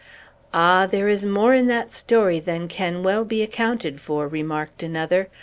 "Ah, there is more in that story than can well be accounted for," remarked another.